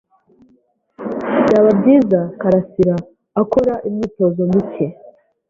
Byaba byiza Karasiraakora imyitozo mike.